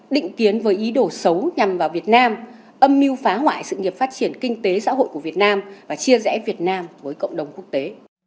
định kiến với ý đồ xấu nhằm vào việt nam âm mưu phá hoại sự nghiệp phát triển kinh tế xã hội của việt nam và chia rẽ việt nam với cộng đồng quốc tế